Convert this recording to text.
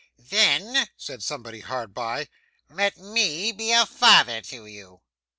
'Then,' said somebody hard by, 'let me be a father to you.